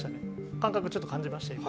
感覚、ちょっと感じました？